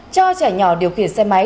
cho trẻ nhỏ điều khiển xe máy